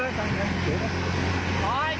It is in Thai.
ผมยิงซะกัดครับยิงเลยยิง